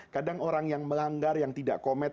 kadang orang yang melanggar yang tidak komitmen itu